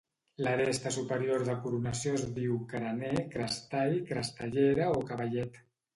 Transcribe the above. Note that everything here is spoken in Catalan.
L'aresta superior de coronació es diu carener, crestall, crestallera o cavallet.